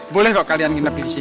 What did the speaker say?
boleh gak kalian nginep disini